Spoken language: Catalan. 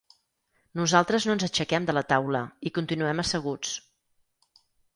Nosaltres no ens aixequem de la taula, hi continuem asseguts.